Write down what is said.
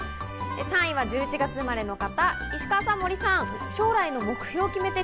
３位は１１月生まれの方、石川さん、森さん。